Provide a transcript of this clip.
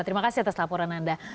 terima kasih atas laporan anda